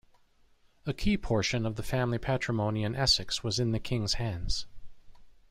A key portion of the family patrimony in Essex was in the King's hands.